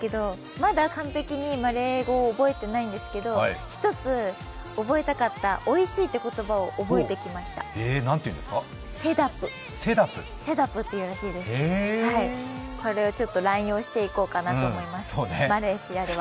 まだ完璧にマレー語を覚えていないんですけど１つ覚えたかった「おいしい」っていう言葉を覚えてきましたセダプって言うらしいです、それを乱用していこうかなと思います、マレーシアでは。